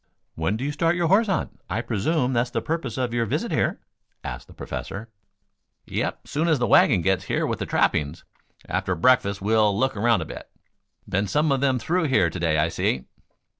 "When do you start your horse hunt? I presume that's the purpose of your visit here?" asked the Professor. "Yep. Soon as the wagon gets here with the trappings. After breakfast we'll look around a bit. Been some of them through here to day, I see."